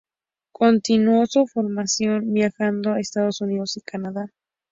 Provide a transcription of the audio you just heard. Continuó su formación viajando a Estados Unidos y Canadá.